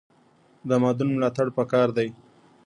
د مادون ملاتړ پکار دی